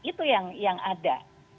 itu yang ada